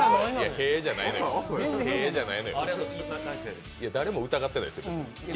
へぇじゃないのよ、誰も疑ってない。